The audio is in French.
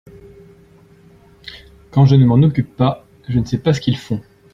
quand je ne m'en occupe pas je ne sais pas ce qu'ils font.